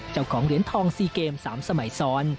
เจ้าของเหรียญทอง๔เกม๓สมัยซ้อน